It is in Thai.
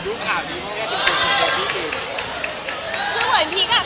มีอะไรให้ช่วยอะไรอย่างนี้ก็บอก